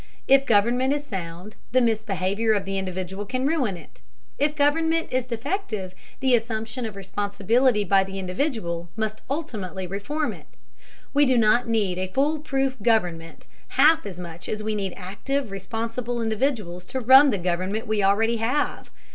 If government is sound, the misbehavior of the individual can ruin it; if government is defective, the assumption of responsibility by the individual must ultimately reform it. We do not need a fool proof government half as much as we need active, responsible individuals to run the government we already have.